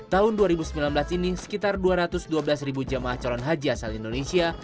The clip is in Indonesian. tahun dua ribu sembilan belas ini sekitar dua ratus dua belas jamaah calon haji asal indonesia